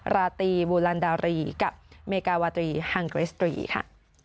ราตรีบูรรณดาวรีกับเมกาวัตรีอังกฤษตรีค่ะ